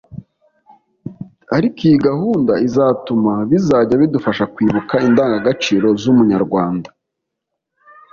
ariko iyi gahunda izatuma bizajya bidufasha kwibuka indangagaciro z’umunyarwanda